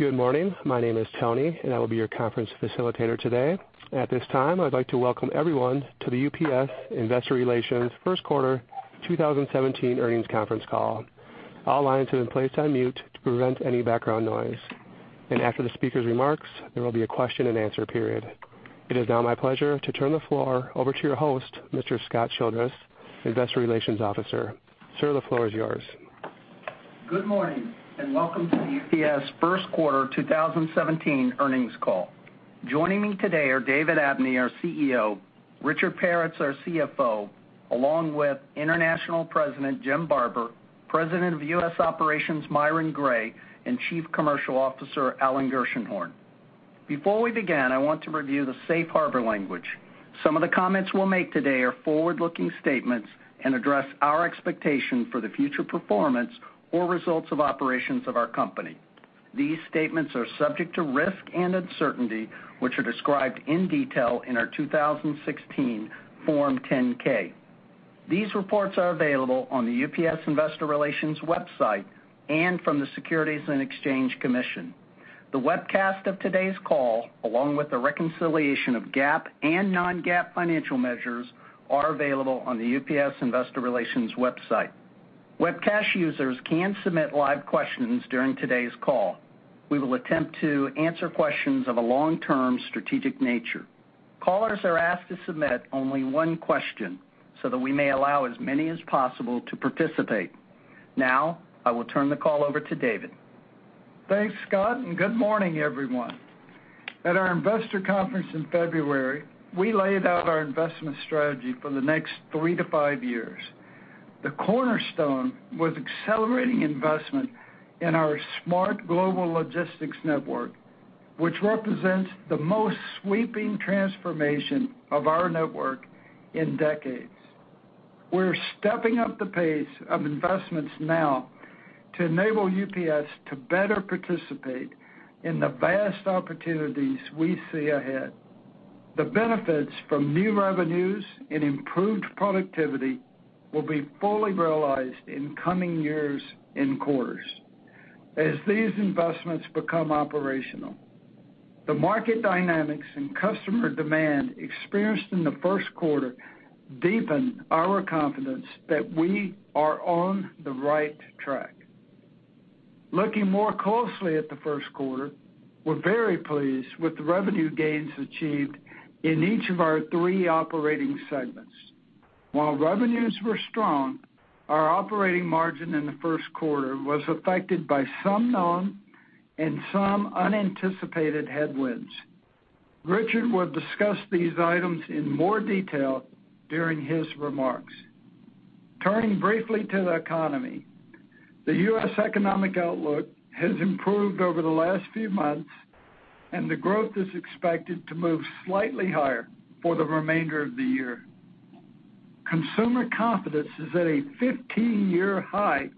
Good morning. My name is Tony, and I will be your conference facilitator today. At this time, I'd like to welcome everyone to the UPS Investor Relations first quarter 2017 earnings conference call. All lines have been placed on mute to prevent any background noise. After the speaker's remarks, there will be a question and answer period. It is now my pleasure to turn the floor over to your host, Mr. Scott Childress, Investor Relations Officer. Sir, the floor is yours. Good morning, and welcome to the UPS first quarter 2017 earnings call. Joining me today are David Abney, our CEO, Richard Peretz, our CFO, along with International President Jim Barber, President of U.S. Operations Myron Gray, and Chief Commercial Officer Alan Gershenhorn. Before we begin, I want to review the safe harbor language. Some of the comments we'll make today are forward-looking statements and address our expectation for the future performance or results of operations of our company. These statements are subject to risk and uncertainty, which are described in detail in our 2016 Form 10-K. These reports are available on the UPS Investor Relations website and from the Securities and Exchange Commission. The webcast of today's call, along with the reconciliation of GAAP and non-GAAP financial measures, are available on the UPS Investor Relations website. Webcast users can submit live questions during today's call. We will attempt to answer questions of a long-term, strategic nature. Callers are asked to submit only one question so that we may allow as many as possible to participate. Now, I will turn the call over to David. Thanks, Scott, and good morning, everyone. At our investor conference in February, we laid out our investment strategy for the next three to five years. The cornerstone was accelerating investment in our smart global logistics network, which represents the most sweeping transformation of our network in decades. We're stepping up the pace of investments now to enable UPS to better participate in the vast opportunities we see ahead. The benefits from new revenues and improved productivity will be fully realized in coming years and quarters. As these investments become operational, the market dynamics and customer demand experienced in the first quarter deepen our confidence that we are on the right track. Looking more closely at the first quarter, we're very pleased with the revenue gains achieved in each of our three operating segments. While revenues were strong, our operating margin in the first quarter was affected by some known and some unanticipated headwinds. Richard will discuss these items in more detail during his remarks. Turning briefly to the economy, the U.S. economic outlook has improved over the last few months, and the growth is expected to move slightly higher for the remainder of the year. Consumer confidence is at a 15-year high,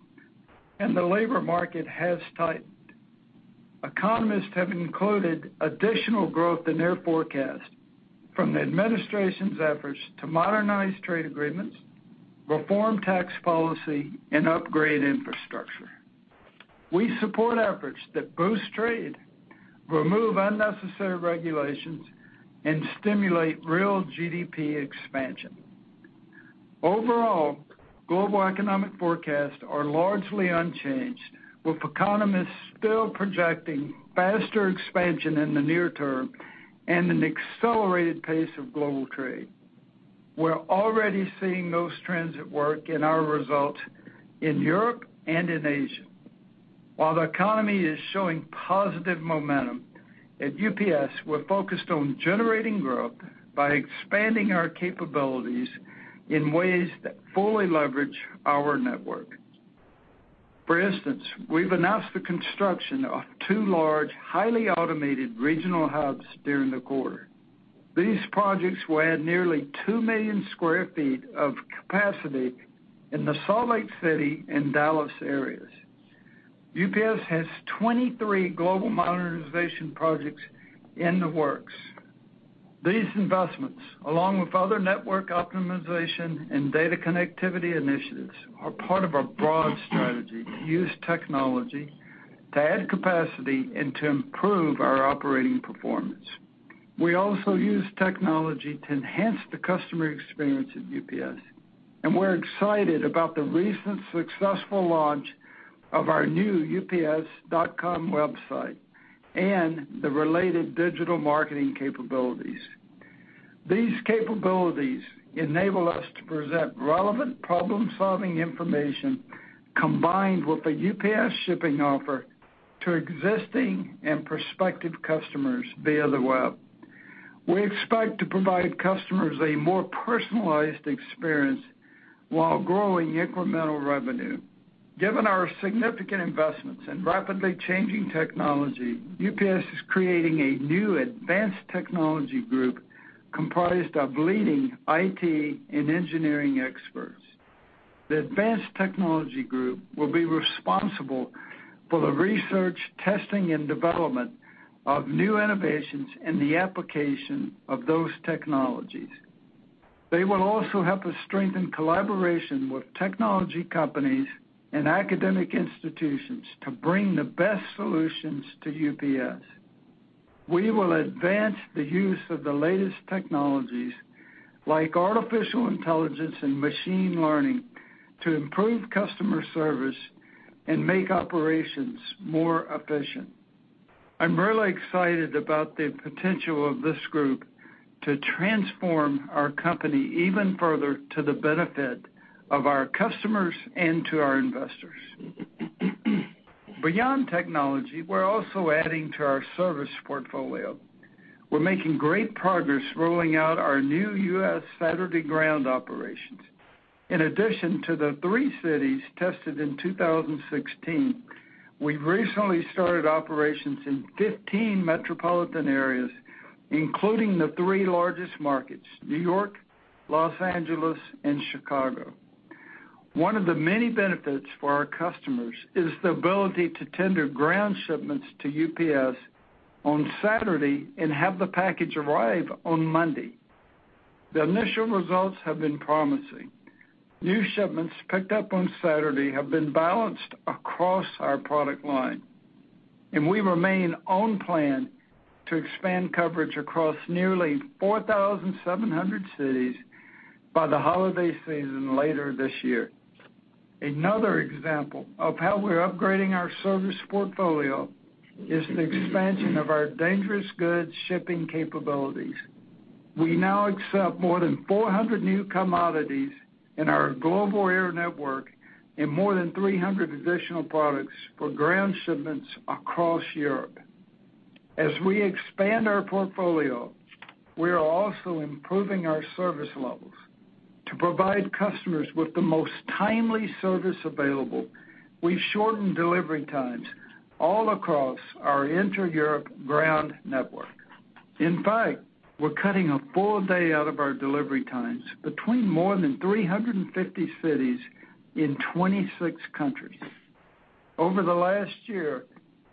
and the labor market has tightened. Economists have included additional growth in their forecast from the administration's efforts to modernize trade agreements, reform tax policy, and upgrade infrastructure. We support efforts that boost trade, remove unnecessary regulations, and stimulate real GDP expansion. Overall, global economic forecasts are largely unchanged, with economists still projecting faster expansion in the near term and an accelerated pace of global trade. We're already seeing those trends at work in our results in Europe and in Asia. While the economy is showing positive momentum, at UPS, we're focused on generating growth by expanding our capabilities in ways that fully leverage our network. For instance, we've announced the construction of two large, highly automated regional hubs during the quarter. These projects will add nearly 2 million square feet of capacity in the Salt Lake City and Dallas areas. UPS has 23 global modernization projects in the works. These investments, along with other network optimization and data connectivity initiatives, are part of our broad strategy to use technology to add capacity and to improve our operating performance. We also use technology to enhance the customer experience at UPS, and we're excited about the recent successful launch of our new ups.com website and the related digital marketing capabilities. These capabilities enable us to present relevant problem-solving information combined with a UPS shipping offer to existing and prospective customers via the web. We expect to provide customers a more personalized experience while growing incremental revenue. Given our significant investments in rapidly changing technology, UPS is creating a new advanced technology group comprised of leading IT and engineering experts. The advanced technology group will be responsible for the research, testing, and development of new innovations and the application of those technologies. They will also help us strengthen collaboration with technology companies and academic institutions to bring the best solutions to UPS. We will advance the use of the latest technologies like artificial intelligence and machine learning to improve customer service and make operations more efficient. I'm really excited about the potential of this group to transform our company even further to the benefit of our customers and to our investors. Beyond technology, we're also adding to our service portfolio. We're making great progress rolling out our new U.S. Saturday ground operations. In addition to the three cities tested in 2016, we've recently started operations in 15 metropolitan areas, including the three largest markets, New York, Los Angeles, and Chicago. One of the many benefits for our customers is the ability to tender ground shipments to UPS on Saturday and have the package arrive on Monday. The initial results have been promising. New shipments picked up on Saturday have been balanced across our product line, and we remain on plan to expand coverage across nearly 4,700 cities by the holiday season later this year. Another example of how we're upgrading our service portfolio is the expansion of our dangerous goods shipping capabilities. We now accept more than 400 new commodities in our global air network and more than 300 additional products for ground shipments across Europe. As we expand our portfolio, we are also improving our service levels. To provide customers with the most timely service available, we've shortened delivery times all across our Inter Europe ground network. In fact, we're cutting a full day out of our delivery times between more than 350 cities in 26 countries. Over the last year,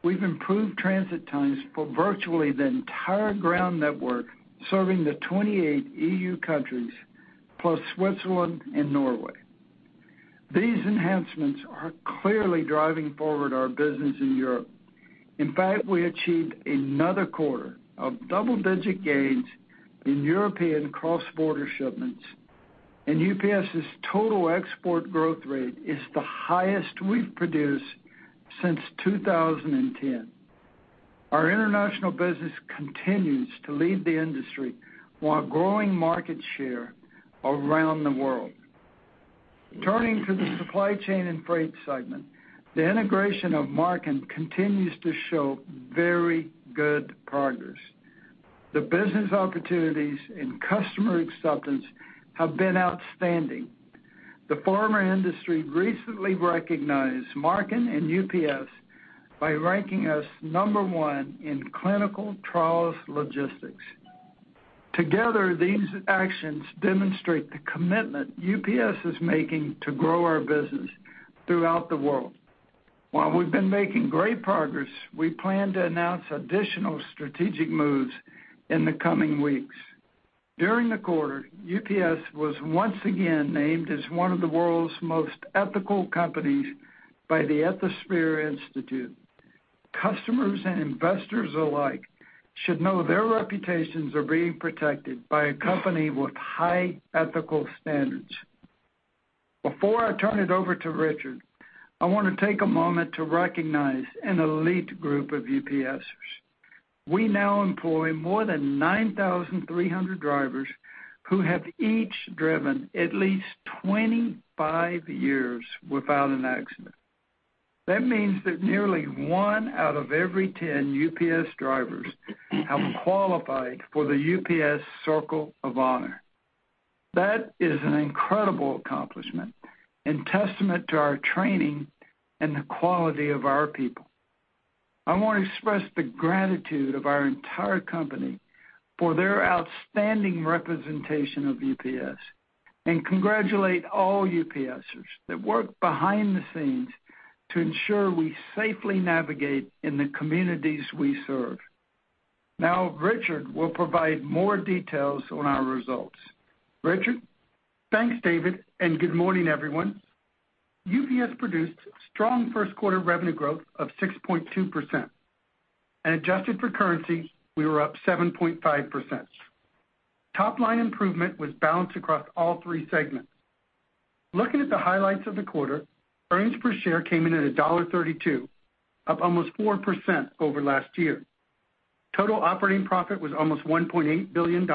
we've improved transit times for virtually the entire ground network serving the 28 EU countries, plus Switzerland and Norway. These enhancements are clearly driving forward our business in Europe. In fact, we achieved another quarter of double-digit gains in European cross-border shipments, and UPS's total export growth rate is the highest we've produced since 2010. Our International business continues to lead the industry while growing market share around the world. Turning to the supply chain and freight segment, the integration of Marken continues to show very good progress. The business opportunities and customer acceptance have been outstanding. The pharma industry recently recognized Marken and UPS by ranking us number one in clinical trials logistics. Together, these actions demonstrate the commitment UPS is making to grow our business throughout the world. While we've been making great progress, we plan to announce additional strategic moves in the coming weeks. During the quarter, UPS was once again named as one of the world's most ethical companies by the Ethisphere Institute. Customers and investors alike should know their reputations are being protected by a company with high ethical standards. Before I turn it over to Richard, I want to take a moment to recognize an elite group of UPSers. We now employ more than 9,300 drivers who have each driven at least 25 years without an accident. That means that nearly one out of every 10 UPS drivers have qualified for the UPS Circle of Honor. That is an incredible accomplishment and testament to our training and the quality of our people. I want to express the gratitude of our entire company for their outstanding representation of UPS and congratulate all UPSers that work behind the scenes to ensure we safely navigate in the communities we serve. Now, Richard will provide more details on our results. Richard? Thanks, David, and good morning, everyone. UPS produced strong first quarter revenue growth of 6.2%, and adjusted for currency, we were up 7.5%. Top-line improvement was balanced across all three segments. Looking at the highlights of the quarter, earnings per share came in at $1.32, up almost 4% over last year. Total operating profit was almost $1.8 billion,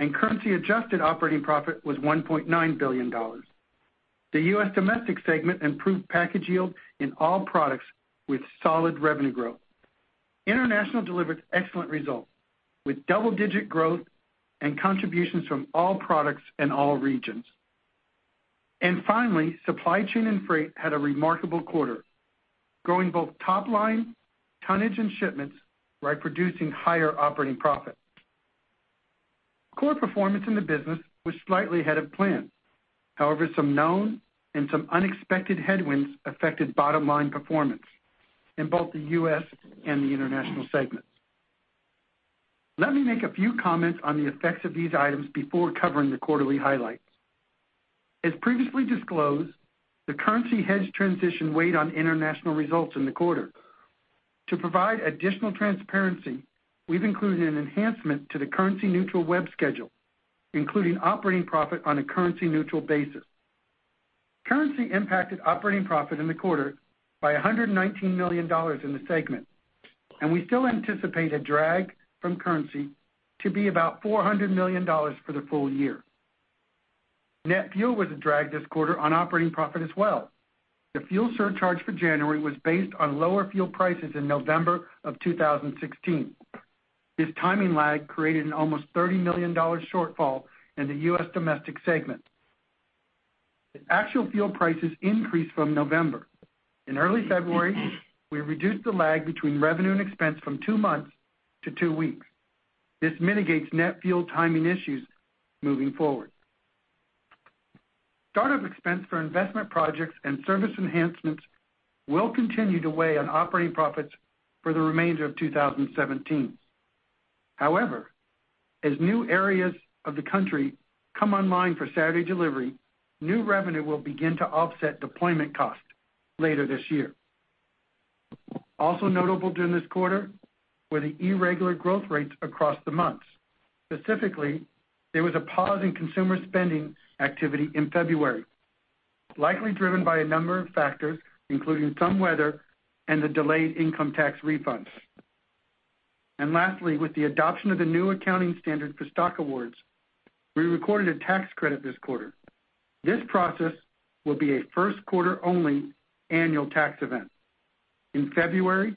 and currency-adjusted operating profit was $1.9 billion. The U.S. domestic segment improved package yield in all products with solid revenue growth. International delivered excellent results, with double-digit growth and contributions from all products and all regions. Finally, supply chain and freight had a remarkable quarter, growing both top line tonnage and shipments while producing higher operating profit. Core performance in the business was slightly ahead of plan. However, some known and some unexpected headwinds affected bottom-line performance in both the U.S. and the International segments. Let me make a few comments on the effects of these items before covering the quarterly highlights. As previously disclosed, the currency hedge transition weighed on international results in the quarter. To provide additional transparency, we've included an enhancement to the currency-neutral web schedule, including operating profit on a currency-neutral basis. Currency impacted operating profit in the quarter by $119 million in the segment. We still anticipate a drag from currency to be about $400 million for the full year. Net fuel was a drag this quarter on operating profit as well. The fuel surcharge for January was based on lower fuel prices in November of 2016. This timing lag created an almost $30 million shortfall in the U.S. domestic segment. The actual fuel prices increased from November. In early February, we reduced the lag between revenue and expense from two months to two weeks. This mitigates net fuel timing issues moving forward. Startup expense for investment projects and service enhancements will continue to weigh on operating profits for the remainder of 2017. However, as new areas of the country come online for Saturday delivery, new revenue will begin to offset deployment costs later this year. Also notable during this quarter were the irregular growth rates across the months. Specifically, there was a pause in consumer spending activity in February, likely driven by a number of factors, including some weather and the delayed income tax refunds. Lastly, with the adoption of the new accounting standard for stock awards, we recorded a tax credit this quarter. This process will be a first-quarter-only annual tax event. In February,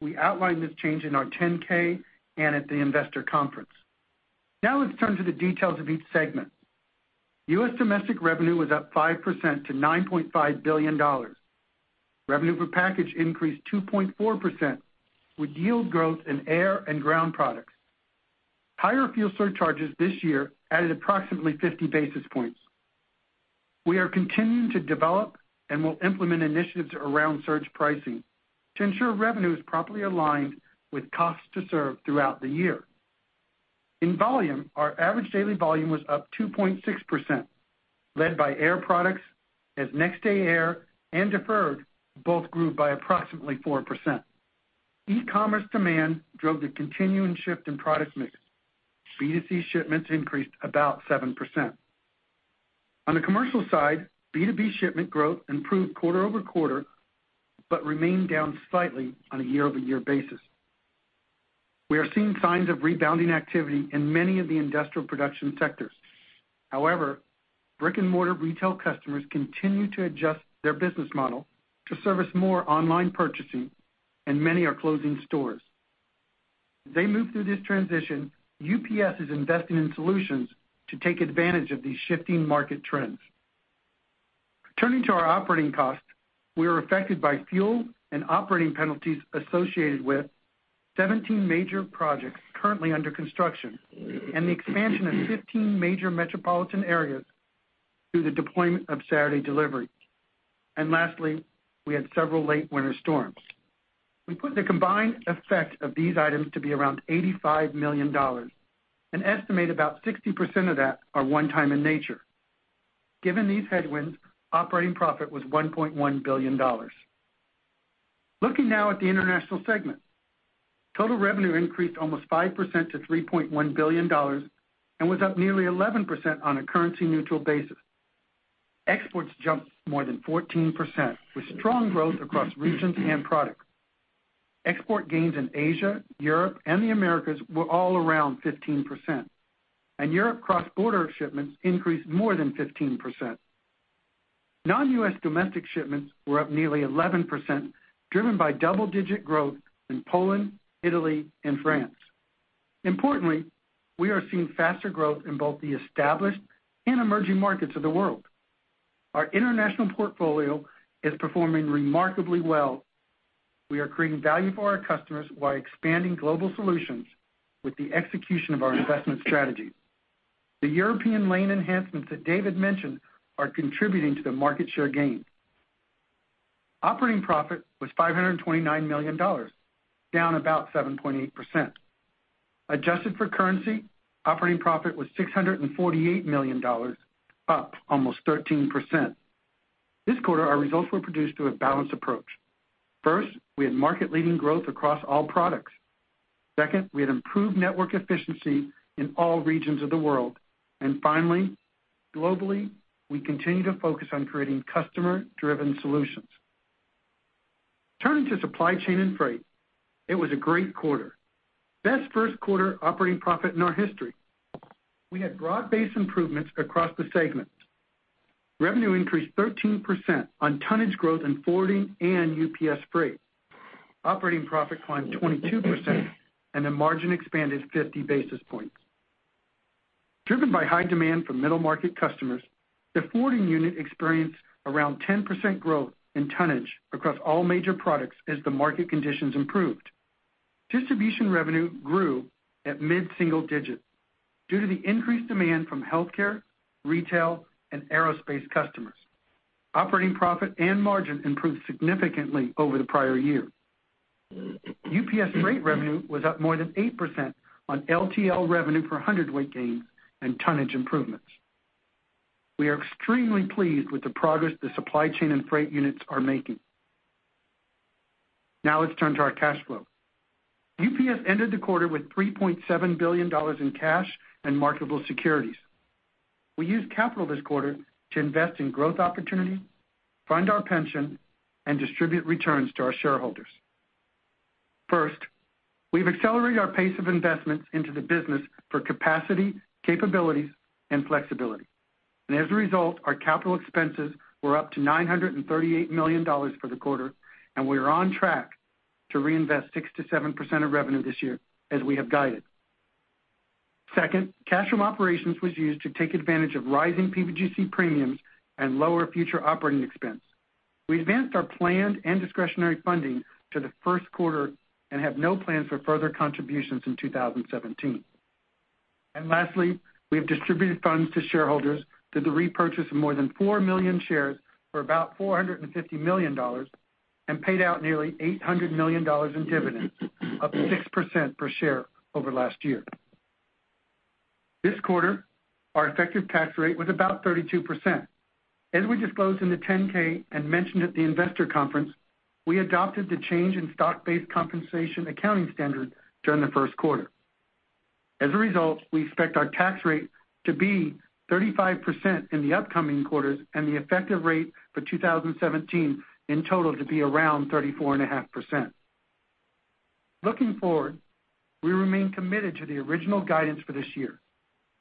we outlined this change in our 10-K and at the investor conference. Let's turn to the details of each segment. U.S. domestic revenue was up 5% to $9.5 billion. Revenue per package increased 2.4% with yield growth in air and ground products. Higher fuel surcharges this year added approximately 50 basis points. We are continuing to develop and will implement initiatives around surge pricing to ensure revenue is properly aligned with cost to serve throughout the year. In volume, our average daily volume was up 2.6%, led by air products, as next-day air and deferred both grew by approximately 4%. E-commerce demand drove the continuing shift in product mix. B2C shipments increased about 7%. On the commercial side, B2B shipment growth improved quarter-over-quarter, but remained down slightly on a year-over-year basis. We are seeing signs of rebounding activity in many of the industrial production sectors. Brick-and-mortar retail customers continue to adjust their business model to service more online purchasing, and many are closing stores. As they move through this transition, UPS is investing in solutions to take advantage of these shifting market trends. Turning to our operating costs, we were affected by fuel and operating penalties associated with 17 major projects currently under construction and the expansion of 15 major metropolitan areas through the deployment of Saturday delivery. Lastly, we had several late winter storms. We put the combined effect of these items to be around $85 million and estimate about 60% of that are one-time in nature. Given these headwinds, operating profit was $1.1 billion. Looking at the international segment. Total revenue increased almost 5% to $3.1 billion and was up nearly 11% on a currency-neutral basis. Exports jumped more than 14%, with strong growth across regions and products. Export gains in Asia, Europe, and the Americas were all around 15%. Europe cross-border shipments increased more than 15%. Non-U.S. domestic shipments were up nearly 11%, driven by double-digit growth in Poland, Italy, and France. Importantly, we are seeing faster growth in both the established and emerging markets of the world. Our international portfolio is performing remarkably well. We are creating value for our customers while expanding global solutions with the execution of our investment strategy. The European lane enhancements that David mentioned are contributing to the market share gains. Operating profit was $529 million, down about 7.8%. Adjusted for currency, operating profit was $648 million, up almost 13%. This quarter, our results were produced through a balanced approach. First, we had market-leading growth across all products. Second, we had improved network efficiency in all regions of the world. Finally, globally, we continue to focus on creating customer-driven solutions. Turning to supply chain and freight, it was a great quarter. Best first quarter operating profit in our history. We had broad-based improvements across the segments. Revenue increased 13% on tonnage growth in forwarding and UPS Freight. Operating profit climbed 22%, and the margin expanded 50 basis points. Driven by high demand from middle-market customers, the forwarding unit experienced around 10% growth in tonnage across all major products as the market conditions improved. Distribution revenue grew at mid-single digits due to the increased demand from healthcare, retail, and aerospace customers. Operating profit and margin improved significantly over the prior year. UPS Freight revenue was up more than 8% on LTL revenue per hundredweight gains and tonnage improvements. We are extremely pleased with the progress the supply chain and freight units are making. Now let's turn to our cash flow. UPS ended the quarter with $3.7 billion in cash and marketable securities. We used capital this quarter to invest in growth opportunities, fund our pension, and distribute returns to our shareholders. First, we've accelerated our pace of investments into the business for capacity, capabilities, and flexibility. As a result, our capital expenses were up to $938 million for the quarter, and we are on track to reinvest 6%-7% of revenue this year as we have guided. Second, cash from operations was used to take advantage of rising PBGC premiums and lower future operating expense. We advanced our planned and discretionary funding to the first quarter and have no plans for further contributions in 2017. Lastly, we have distributed funds to shareholders through the repurchase of more than 4 million shares for about $450 million and paid out nearly $800 million in dividends, up 6% per share over last year. This quarter, our effective tax rate was about 32%. As we disclosed in the 10-K and mentioned at the investor conference, we adopted the change in stock-based compensation accounting standard during the first quarter. As a result, we expect our tax rate to be 35% in the upcoming quarters and the effective rate for 2017 in total to be around 34.5%. Looking forward, we remain committed to the original guidance for this year,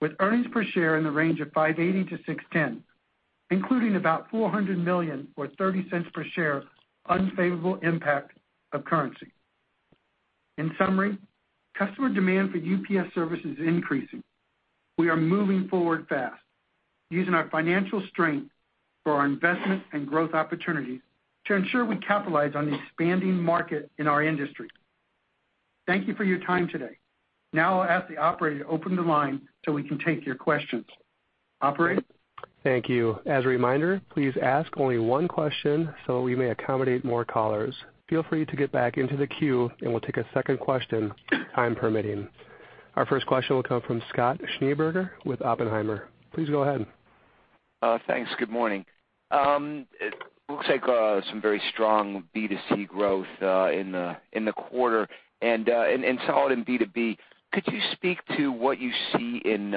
with earnings per share in the range of $5.80-$6.10, including about $400 million or $0.30 per share unfavorable impact of currency. In summary, customer demand for UPS services is increasing. We are moving forward fast, using our financial strength for our investment and growth opportunities to ensure we capitalize on the expanding market in our industry. Thank you for your time today. Now I'll ask the operator to open the line so we can take your questions. Operator? Thank you. As a reminder, please ask only one question so we may accommodate more callers. Feel free to get back into the queue and we'll take a second question, time permitting. Our first question will come from Scott Schneeberger with Oppenheimer. Please go ahead. Thanks. Good morning. It looks like some very strong B2C growth in the quarter and solid in B2B. Could you speak to what you see in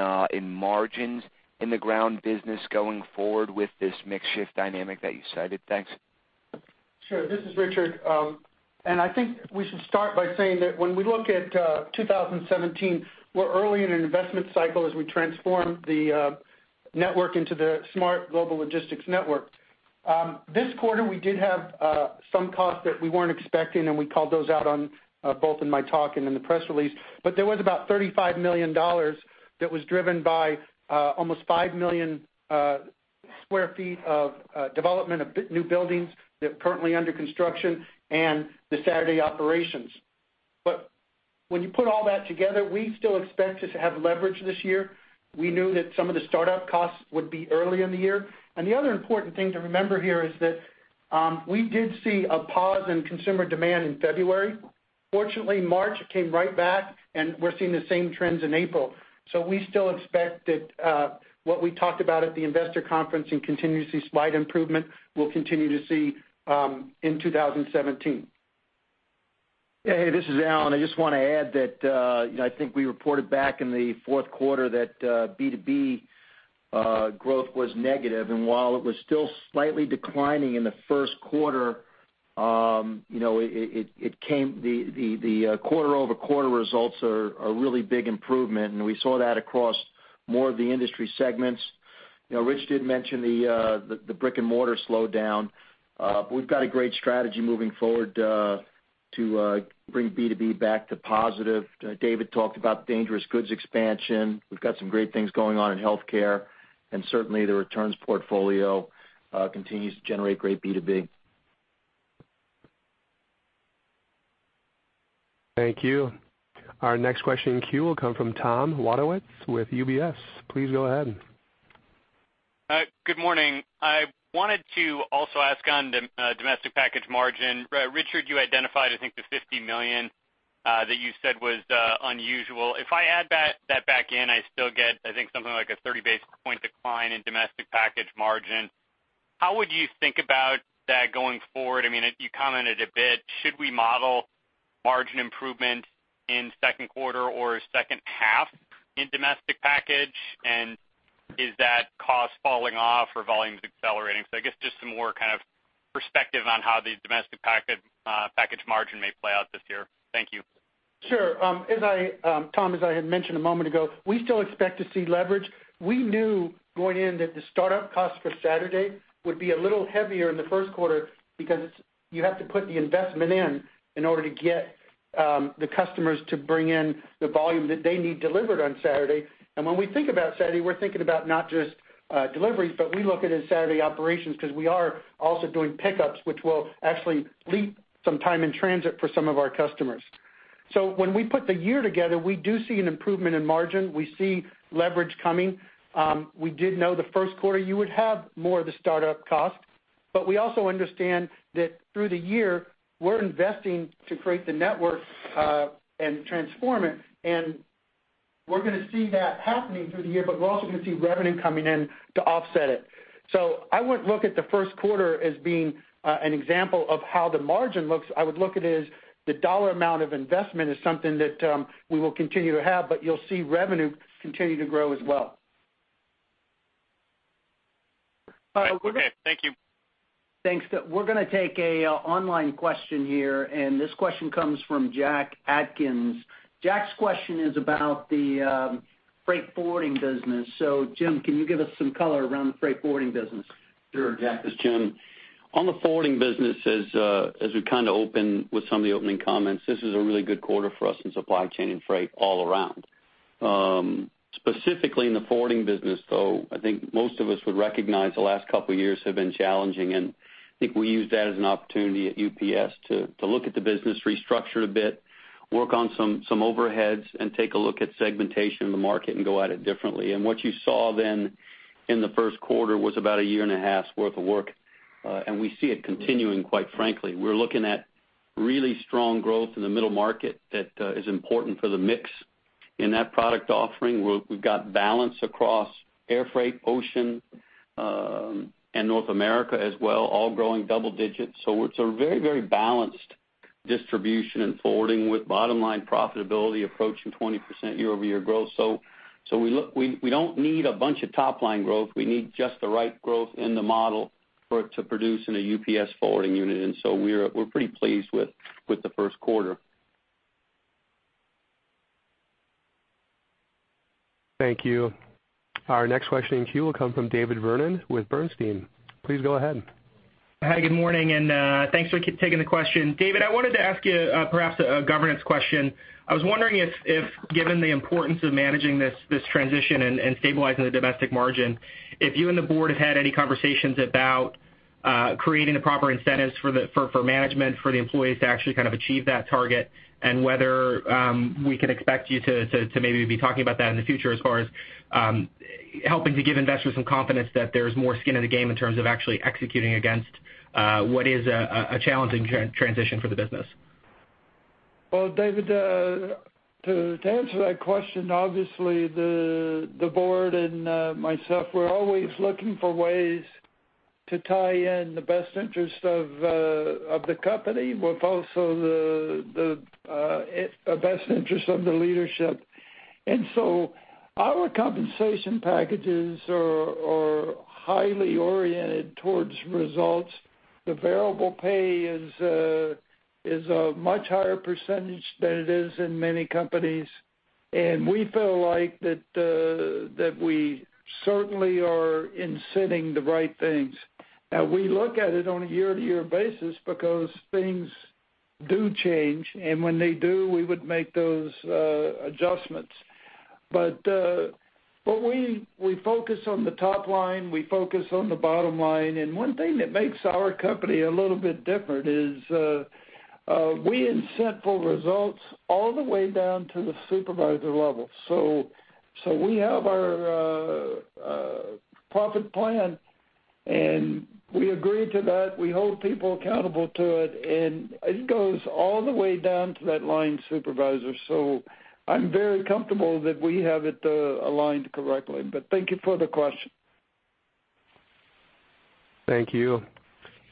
margins in the ground business going forward with this mix shift dynamic that you cited? Thanks. Sure. This is Richard. I think we should start by saying that when we look at 2017, we're early in an investment cycle as we transform the network into the smart global logistics network. This quarter, we did have some costs that we weren't expecting, and we called those out both in my talk and in the press release. There was about $35 million that was driven by almost 5 million sq ft of development of new buildings that are currently under construction and the Saturday operations. When you put all that together, we still expect to have leverage this year. We knew that some of the startup costs would be early in the year. The other important thing to remember here is that we did see a pause in consumer demand in February. Fortunately, March, it came right back, and we're seeing the same trends in April. We still expect that what we talked about at the investor conference and continue to see slight improvement, we'll continue to see in 2017. Hey, this is Alan. I just want to add that I think we reported back in the fourth quarter that B2B growth was negative. While it was still slightly declining in the first quarter, the quarter-over-quarter results are a really big improvement, and we saw that across more of the industry segments. Rich did mention the brick-and-mortar slowdown. We've got a great strategy moving forward to bring B2B back to positive. David talked about dangerous goods expansion. We've got some great things going on in healthcare, certainly the returns portfolio continues to generate great B2B. Thank you. Our next question in queue will come from Thomas Wadewitz with UBS. Please go ahead. Good morning. I wanted to also ask on domestic package margin. Richard, you identified, I think, the $50 million that you said was unusual. If I add that back in, I still get, I think, something like a 30 basis points decline in domestic package margin. How would you think about that going forward? You commented a bit. Should we model margin improvement in second quarter or second half in domestic package? Is that cost falling off or volumes accelerating? I guess just some more kind of perspective on how the domestic package margin may play out this year. Thank you. Sure. Tom, as I had mentioned a moment ago, we still expect to see leverage. We knew going in that the startup cost for Saturday would be a little heavier in the first quarter because you have to put the investment in in order to get the customers to bring in the volume that they need delivered on Saturday. When we think about Saturday, we're thinking about not just deliveries, but we look at it as Saturday operations because we are also doing pickups, which will actually leap some time in transit for some of our customers. When we put the year together, we do see an improvement in margin. We see leverage coming. We did know the first quarter you would have more of the startup cost. We also understand that through the year, we're investing to create the network and transform it. We're going to see that happening through the year. We're also going to see revenue coming in to offset it. I wouldn't look at the first quarter as being an example of how the margin looks. I would look at it as the dollar amount of investment is something that we will continue to have. You'll see revenue continue to grow as well. Okay, thank you. Thanks. We're going to take an online question here. This question comes from Jack Atkins. Jack's question is about the freight forwarding business. Jim, can you give us some color around the freight forwarding business? Sure, Jack. This is Jim. On the forwarding business, as we kind of opened with some of the opening comments, this is a really good quarter for us in supply chain and freight all around. Specifically in the forwarding business, though, I think most of us would recognize the last couple of years have been challenging. I think we used that as an opportunity at UPS to look at the business, restructure it a bit, work on some overheads, and take a look at segmentation in the market and go at it differently. What you saw then in the first quarter was about a year and a half's worth of work. We see it continuing, quite frankly. We're looking at really strong growth in the middle market that is important for the mix in that product offering. We've got balance across air freight, ocean, and North America as well, all growing double digits. It's a very balanced distribution in forwarding, with bottom-line profitability approaching 20% year-over-year growth. We don't need a bunch of top-line growth. We need just the right growth in the model for it to produce in a UPS forwarding unit. We're pretty pleased with the first quarter. Thank you. Our next question in queue will come from David Vernon with Bernstein. Please go ahead. Hi, good morning, and thanks for taking the question. David, I wanted to ask you perhaps a governance question. I was wondering if, given the importance of managing this transition and stabilizing the domestic margin, if you and the board have had any conversations about creating the proper incentives for management, for the employees to actually achieve that target, and whether we can expect you to maybe be talking about that in the future as far as helping to give investors some confidence that there's more skin in the game in terms of actually executing against what is a challenging transition for the business. Well, David, to answer that question, obviously, the board and myself, we're always looking for ways to tie in the best interest of the company with also the best interest of the leadership. Our compensation packages are highly oriented towards results. The variable pay is a much higher percentage than it is in many companies, and we feel like that we certainly are incenting the right things. Now, we look at it on a year-to-year basis because things do change, and when they do, we would make those adjustments. We focus on the top line, we focus on the bottom line, and one thing that makes our company a little bit different is we incent for results all the way down to the supervisor level. We have our profit plan, and we agree to that. We hold people accountable to it, and it goes all the way down to that line supervisor. I'm very comfortable that we have it aligned correctly, but thank you for the question. Thank you.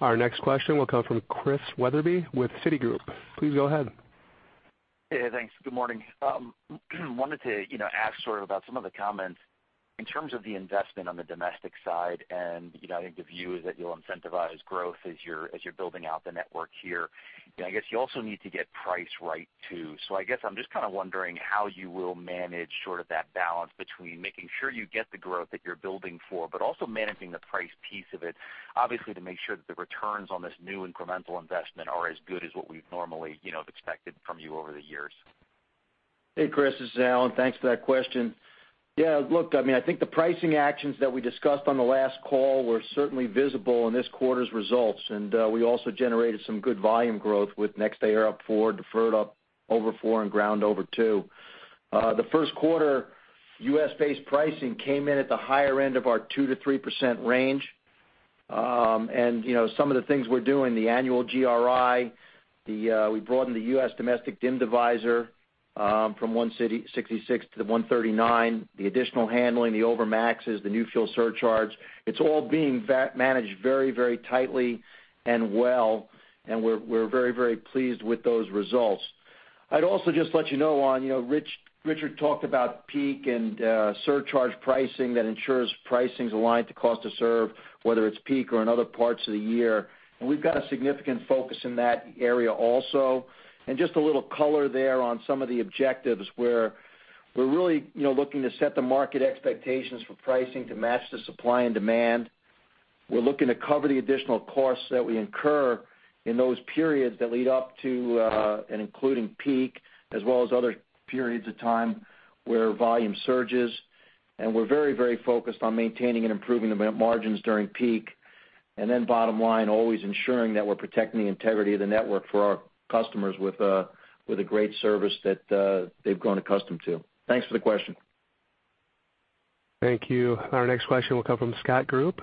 Our next question will come from Christian Wetherbee with Citigroup. Please go ahead. Hey, thanks. Good morning. Wanted to ask sort of about some of the comments in terms of the investment on the domestic side. I think the view is that you'll incentivize growth as you're building out the network here. I guess you also need to get price right, too. I guess I'm just kind of wondering how you will manage sort of that balance between making sure you get the growth that you're building for, but also managing the price piece of it, obviously, to make sure that the returns on this new incremental investment are as good as what we've normally expected from you over the years. Hey, Chris, this is Alan. Thanks for that question. Look, I think the pricing actions that we discussed on the last call were certainly visible in this quarter's results, and we also generated some good volume growth with next day air up four, deferred up over four, and ground over two. The first quarter U.S.-based pricing came in at the higher end of our 2%-3% range. Some of the things we're doing, the annual GRI, we broadened the U.S. domestic dim divisor from 166 to the 139, the additional handling, the over maxes, the new fuel surcharge. It's all being managed very tightly and well, and we're very pleased with those results. I'd also just let you know, Richard talked about peak and surcharge pricing that ensures pricing is aligned to cost to serve, whether it's peak or in other parts of the year. We've got a significant focus in that area also. Just a little color there on some of the objectives where we're really looking to set the market expectations for pricing to match the supply and demand. We're looking to cover the additional costs that we incur in those periods that lead up to and including peak, as well as other periods of time where volume surges. We're very focused on maintaining and improving the margins during peak. Bottom line, always ensuring that we're protecting the integrity of the network for our customers with a great service that they've grown accustomed to. Thanks for the question. Thank you. Our next question will come from Scott Group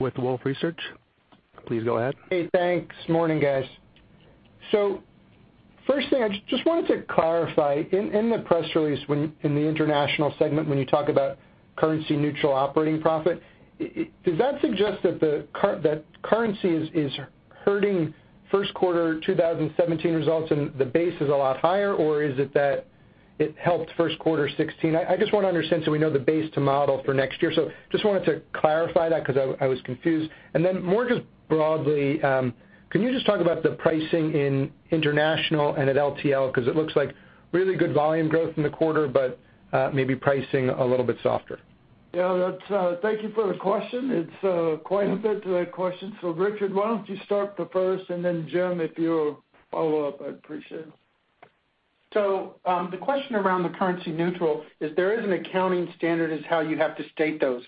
with Wolfe Research. Please go ahead. Hey, thanks. Morning, guys. First thing I just wanted to clarify, in the press release in the international segment, when you talk about currency neutral operating profit, does that suggest that currency is hurting Q1 2017 results and the base is a lot higher? Or is it that it helped Q1 2016? I just want to understand so we know the base to model for next year. Just wanted to clarify that because I was confused. More just broadly, can you just talk about the pricing in international and at LTL, because it looks like really good volume growth in the quarter, but maybe pricing a little bit softer. Yeah. Thank you for the question. It's quite a bit to that question. Richard, why don't you start the first and then Jim, if you follow up, I'd appreciate it. The question around the currency-neutral is there is an accounting standard as how you have to state those.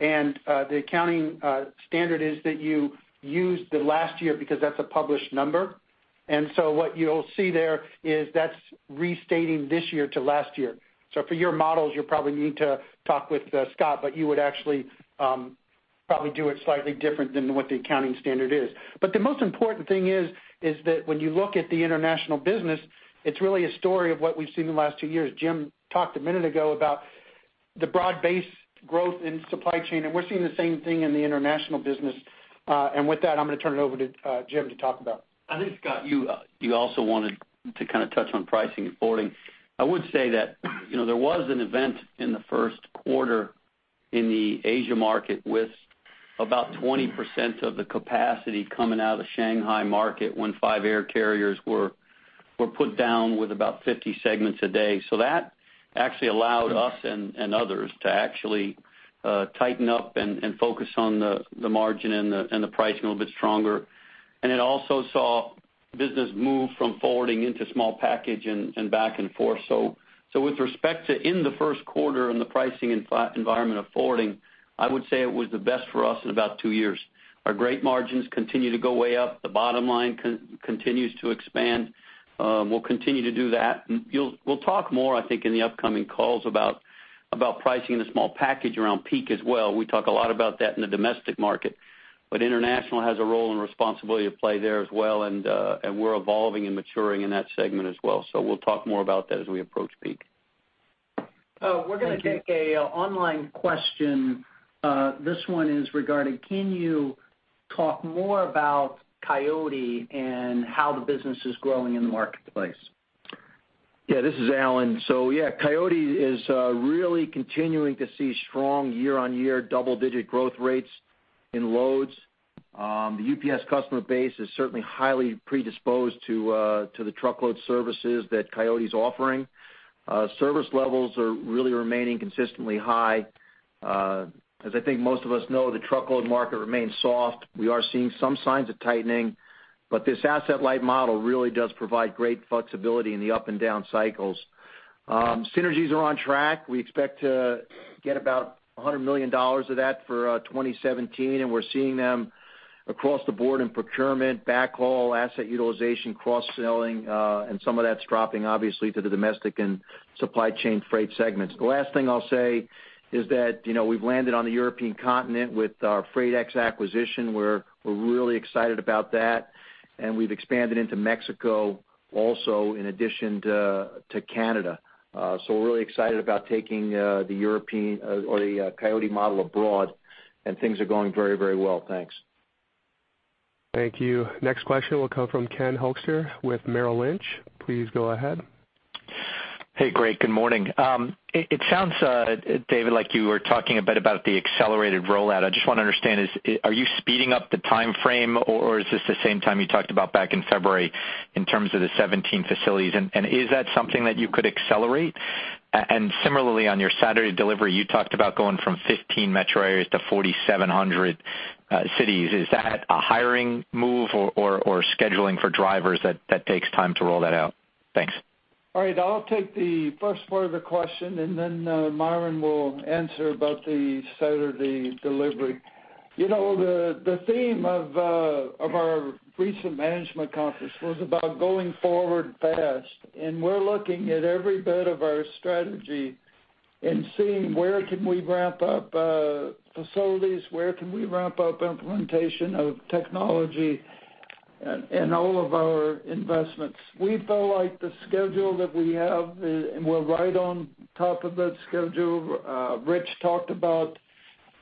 The accounting standard is that you use the last year because that's a published number. What you'll see there is that's restating this year to last year. For your models, you'll probably need to talk with Scott, but you would actually probably do it slightly different than what the accounting standard is. The most important thing is that when you look at the international business, it's really a story of what we've seen in the last two years. Jim talked a minute ago about the broad-based growth in supply chain, and we're seeing the same thing in the international business. With that, I'm going to turn it over to Jim to talk about. I think, Scott, you also wanted to touch on pricing and forwarding. I would say that there was an event in the first quarter in the Asia market with about 20% of the capacity coming out of Shanghai market when five air carriers were put down with about 50 segments a day. That actually allowed us and others to actually tighten up and focus on the margin and the pricing a little bit stronger. It also saw business move from forwarding into small package and back and forth. With respect to in the first quarter in the pricing environment of forwarding, I would say it was the best for us in about two years. Our great margins continue to go way up. The bottom line continues to expand. We'll continue to do that. We'll talk more, I think, in the upcoming calls about pricing in the small package around peak as well. We talk a lot about that in the domestic market, but international has a role and responsibility to play there as well, and we're evolving and maturing in that segment as well. We'll talk more about that as we approach peak. Thank you. We're going to take an online question. This one is regarding, can you talk more about Coyote and how the business is growing in the marketplace? This is Alan. Coyote is really continuing to see strong year-on-year double-digit growth rates in loads. The UPS customer base is certainly highly predisposed to the truckload services that Coyote's offering. Service levels are really remaining consistently high. As I think most of us know, the truckload market remains soft. We are seeing some signs of tightening, but this asset-light model really does provide great flexibility in the up and down cycles. Synergies are on track. We expect to get about $100 million of that for 2017, and we're seeing them across the board in procurement, backhaul, asset utilization, cross-selling, and some of that's dropping obviously to the domestic and supply chain freight segments. The last thing I'll say is that we've landed on the European continent with our Freightex acquisition. We're really excited about that, and we've expanded into Mexico also in addition to Canada. We're really excited about taking the Coyote model abroad, and things are going very well. Thanks. Thank you. Next question will come from Ken Hoexter with Merrill Lynch. Please go ahead. Great. Good morning. It sounds, David, like you were talking a bit about the accelerated rollout. I just want to understand, are you speeding up the timeframe or is this the same time you talked about back in February in terms of the 17 facilities? Is that something that you could accelerate? Similarly, on your Saturday delivery, you talked about going from 15 metro areas to 4,700 cities. Is that a hiring move or scheduling for drivers that takes time to roll that out? Thanks. All right, I'll take the first part of the question, then Myron will answer about the Saturday delivery. The theme of our recent management conference was about going forward fast, we're looking at every bit of our strategy and seeing where can we ramp up facilities, where can we ramp up implementation of technology and all of our investments. We feel like the schedule that we have, we're right on top of that schedule. Rich talked about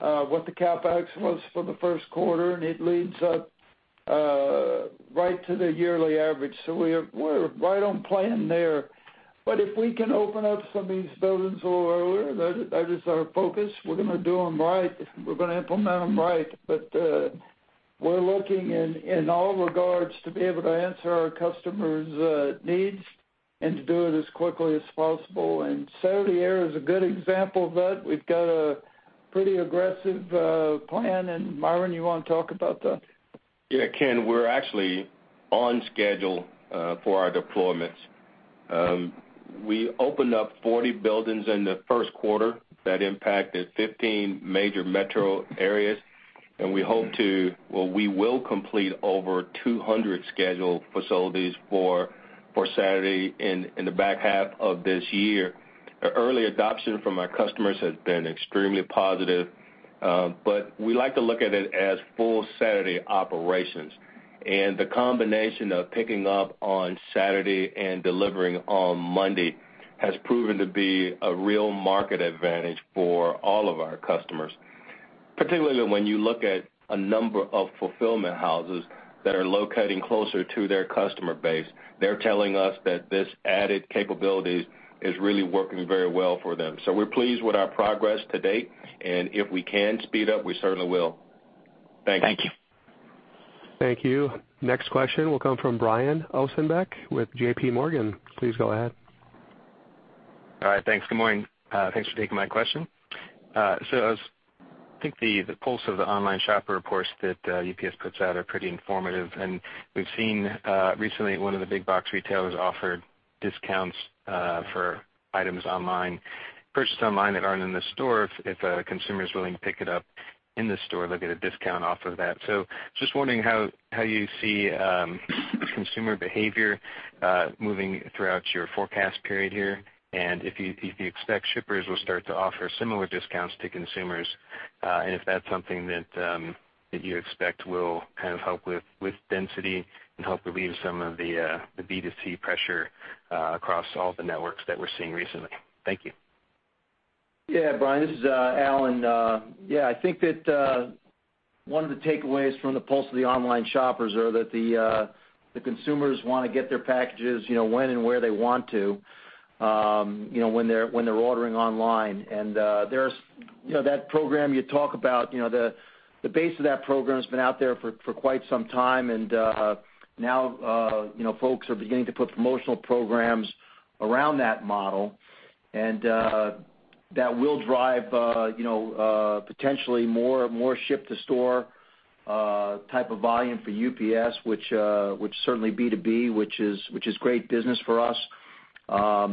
what the CapEx was for the first quarter, it leads up right to the yearly average. We're right on plan there. If we can open up some of these buildings a little earlier, that is our focus. We're going to do them right. We're going to implement them right. We're looking in all regards to be able to answer our customers' needs and to do it as quickly as possible. Saturday air is a good example of that. We've got a pretty aggressive plan. Myron, you want to talk about that? Yeah, Ken, we're actually on schedule for our deployments. We opened up 40 buildings in the first quarter that impacted 15 major metro areas. We hope to, well, we will complete over 200 scheduled facilities for Saturday in the back half of this year. The early adoption from our customers has been extremely positive. We like to look at it as full Saturday operations. The combination of picking up on Saturday and delivering on Monday has proven to be a real market advantage for all of our customers. Particularly when you look at a number of fulfillment houses that are locating closer to their customer base. They're telling us that this added capability is really working very well for them. We're pleased with our progress to date, if we can speed up, we certainly will. Thank you. Thank you. Thank you. Next question will come from Brian Ossenbeck with J.P. Morgan. Please go ahead. All right. Thanks. Good morning. Thanks for taking my question. I think the Pulse of the Online Shopper reports that UPS puts out are pretty informative, we've seen recently one of the big box retailers offer discounts for items purchased online that aren't in the store. If a consumer's willing to pick it up in the store, they'll get a discount off of that. Just wondering how you see consumer behavior moving throughout your forecast period here, if you expect shippers will start to offer similar discounts to consumers, if that's something that you expect will kind of help with density and help relieve some of the B2C pressure across all the networks that we're seeing recently. Thank you. Yeah, Brian, this is Alan. Yeah, I think that one of the takeaways from the pulse of the online shoppers are that the consumers want to get their packages when and where they want to when they're ordering online. That program you talk about, the base of that program has been out there for quite some time, now folks are beginning to put promotional programs around that model, that will drive potentially more ship to store type of volume for UPS, which is certainly B2B, which is great business for us.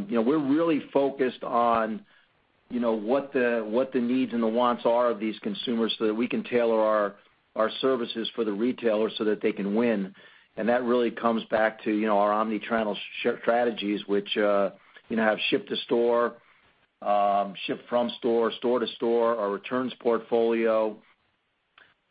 We're really focused on what the needs and the wants are of these consumers so that we can tailor our services for the retailers so that they can win. That really comes back to our omni-channel strategies, which have ship to store, ship from store to store, our returns portfolio,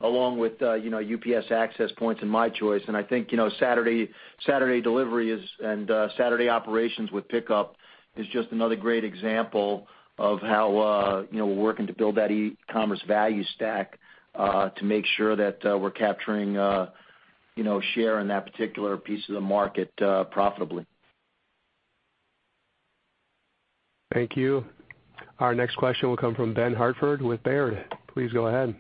along with UPS Access Point in My Choice. I think Saturday delivery and Saturday operations with pickup is just another great example of how we're working to build that e-commerce value stack, to make sure that we're capturing share in that particular piece of the market profitably. Thank you. Our next question will come from Ben Hartford with Baird. Please go ahead.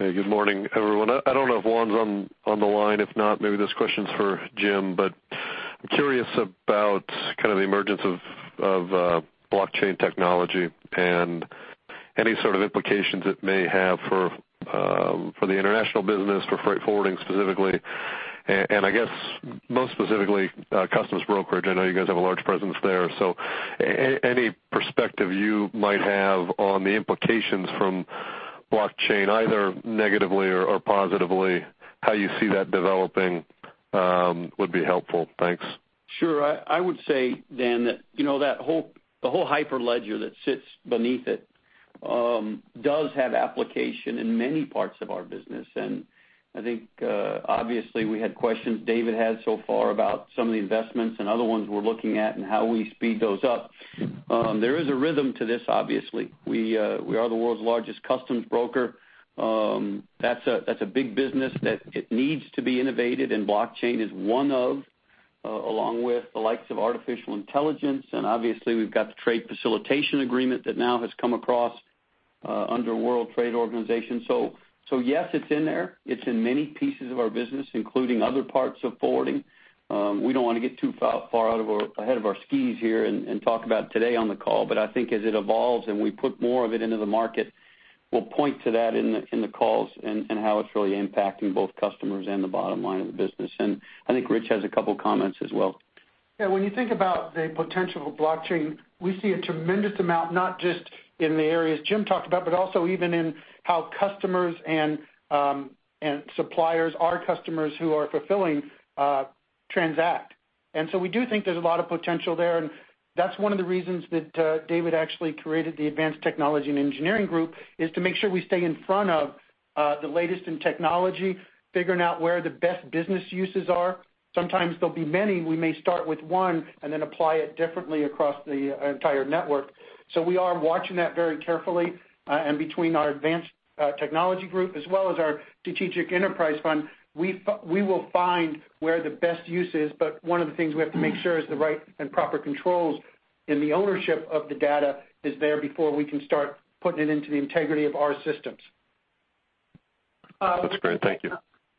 Hey, good morning, everyone. I don't know if Juan's on the line. If not, maybe this question's for Jim. I'm curious about kind of the emergence of blockchain technology and any sort of implications it may have for the international business, for freight forwarding specifically. I guess most specifically, customs brokerage. I know you guys have a large presence there. Any perspective you might have on the implications from blockchain, either negatively or positively, how you see that developing would be helpful. Thanks. Sure. I would say, Ben, that the whole Hyperledger that sits beneath it does have application in many parts of our business. I think obviously we had questions David had so far about some of the investments and other ones we're looking at and how we speed those up. There is a rhythm to this, obviously. We are the world's largest customs broker. That's a big business that it needs to be innovated, and blockchain is one of, along with the likes of artificial intelligence, and obviously we've got the Trade Facilitation Agreement that now has come across under World Trade Organization. Yes, it's in there. It's in many pieces of our business, including other parts of forwarding. We don't want to get too far ahead of our skis here and talk about today on the call. I think as it evolves and we put more of it into the market, we'll point to that in the calls and how it's really impacting both customers and the bottom line of the business. I think Rich has a couple comments as well. Yeah. When you think about the potential of blockchain, we see a tremendous amount, not just in the areas Jim talked about, but also even in how customers and suppliers, our customers who are fulfilling transact. We do think there's a lot of potential there, and that's one of the reasons that David actually created the Advanced Technology and Engineering Group, is to make sure we stay in front of the latest in technology, figuring out where the best business uses are. Sometimes there'll be many. We may start with one and then apply it differently across the entire network. We are watching that very carefully. Between our Advanced Technology Group as well as our Strategic Enterprise Fund, we will find where the best use is. One of the things we have to make sure is the right and proper controls and the ownership of the data is there before we can start putting it into the integrity of our systems. That's great. Thank you.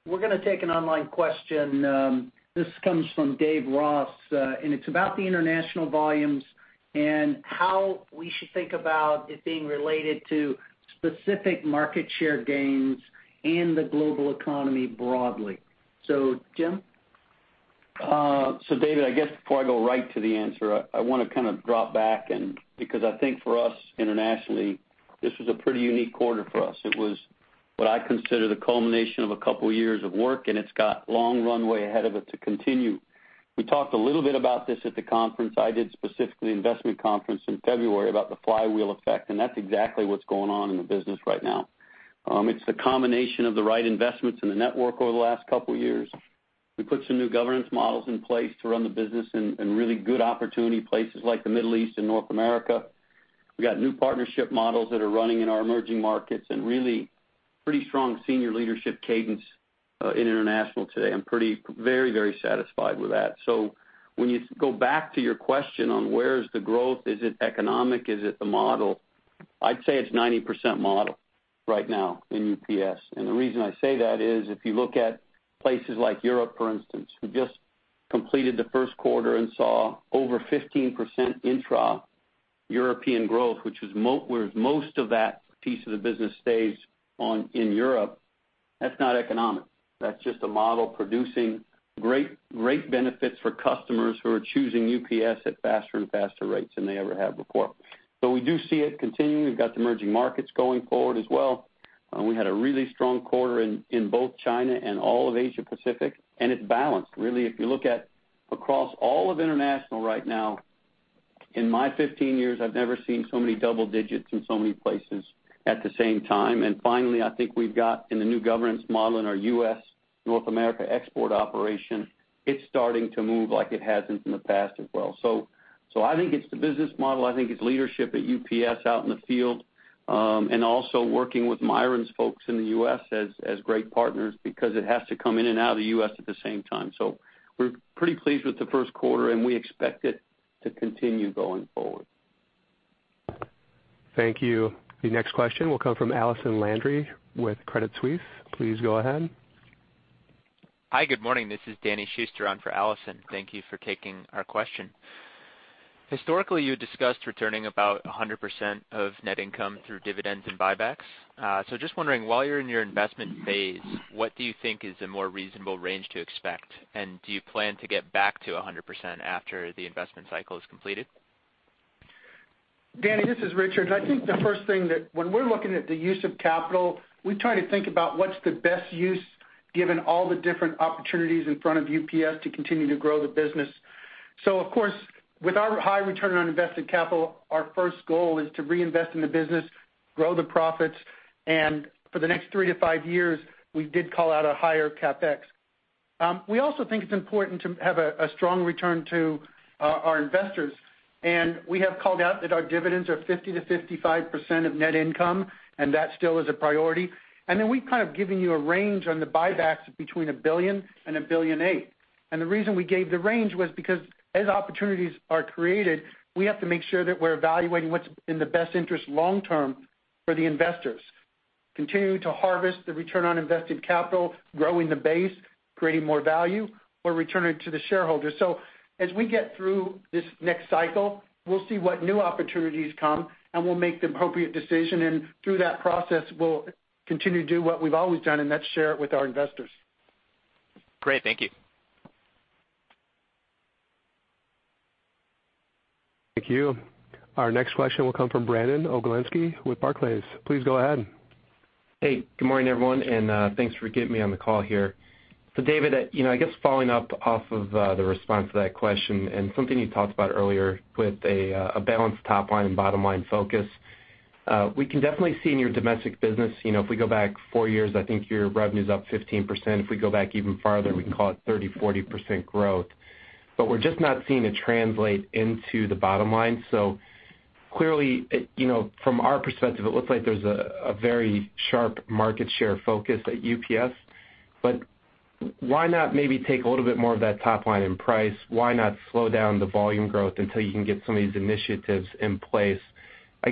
We're going to take an online question. This comes from David Ross, and it's about the international volumes and how we should think about it being related to specific market share gains in the global economy broadly. Jim? David, I guess before I go right to the answer, I want to kind of drop back because I think for us internationally, this was a pretty unique quarter for us. It was what I consider the culmination of a couple of years of work, and it's got long runway ahead of it to continue. We talked a little bit about this at the conference. I did specifically investment conference in February about the flywheel effect, and that's exactly what's going on in the business right now. It's the combination of the right investments in the network over the last couple of years. We put some new governance models in place to run the business in really good opportunity places like the Middle East and North America. We got new partnership models that are running in our emerging markets and really pretty strong senior leadership cadence in international today. I'm very satisfied with that. When you go back to your question on where is the growth, is it economic? Is it the model? I'd say it's 90% model right now in UPS. The reason I say that is if you look at places like Europe, for instance, who just completed the first quarter and saw over 15% intra-European growth, where most of that piece of the business stays in Europe, that's not economic. That's just a model producing great rate benefits for customers who are choosing UPS at faster and faster rates than they ever have before. We do see it continuing. We've got the emerging markets going forward as well. We had a really strong quarter in both China and all of Asia Pacific, it's balanced. Really, if you look at across all of international right now, in my 15 years, I've never seen so many double digits in so many places at the same time. Finally, I think we've got in the new governance model in our U.S. North America export operation, it's starting to move like it hasn't in the past as well. I think it's the business model, I think it's leadership at UPS out in the field, also working with Myron's folks in the U.S. as great partners because it has to come in and out of the U.S. at the same time. We're pretty pleased with the first quarter, we expect it to continue going forward. Thank you. The next question will come from Allison Landry with Credit Suisse. Please go ahead. Hi, good morning. This is Danny Schuster on for Allison. Thank you for taking our question. Historically, you discussed returning about 100% of net income through dividends and buybacks. Just wondering, while you're in your investment phase, what do you think is a more reasonable range to expect? Do you plan to get back to 100% after the investment cycle is completed? Danny, this is Richard. I think the first thing that when we're looking at the use of capital, we try to think about what's the best use given all the different opportunities in front of UPS to continue to grow the business. Of course, with our high return on invested capital, our first goal is to reinvest in the business, grow the profits, for the next three to five years, we did call out a higher CapEx. We also think it's important to have a strong return to our investors, we have called out that our dividends are 50%-55% of net income, that still is a priority. We've kind of given you a range on the buybacks between $1 billion and $1.8 billion. The reason we gave the range was because as opportunities are created, we have to make sure that we're evaluating what's in the best interest long term for the investors. Continuing to harvest the return on invested capital, growing the base, creating more value, or returning to the shareholders. As we get through this next cycle, we'll see what new opportunities come, we'll make the appropriate decision, through that process, we'll continue to do what we've always done, that's share it with our investors. Great. Thank you. Thank you. Our next question will come from Brandon Oglenski with Barclays. Please go ahead. Hey, good morning, everyone, and thanks for getting me on the call here. David, I guess following up off of the response to that question and something you talked about earlier with a balanced top line and bottom line focus. We can definitely see in your domestic business, if we go back four years, I think your revenue's up 15%. If we go back even farther, we can call it 30%-40% growth. We're just not seeing it translate into the bottom line. Clearly, from our perspective, it looks like there's a very sharp market share focus at UPS. Why not maybe take a little bit more of that top line in price? Why not slow down the volume growth until you can get some of these initiatives in place? I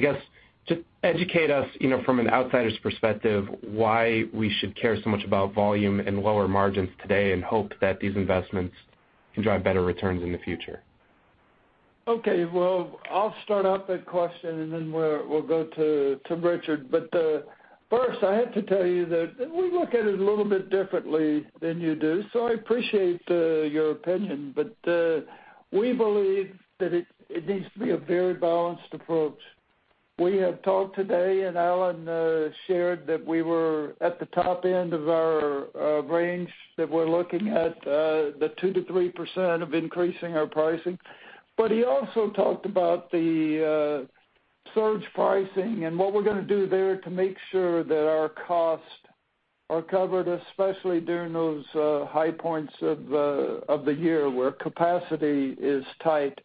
guess, just educate us, from an outsider's perspective, why we should care so much about volume and lower margins today and hope that these investments can drive better returns in the future. Okay. Well, I'll start off that question and then we'll go to Richard. First, I have to tell you that we look at it a little bit differently than you do. I appreciate your opinion, but we believe that it needs to be a very balanced approach. We have talked today and Alan shared that we were at the top end of our range, that we're looking at the 2% to 3% of increasing our pricing. He also talked about the surge pricing and what we're going to do there to make sure that our costs are covered, especially during those high points of the year where capacity is tight.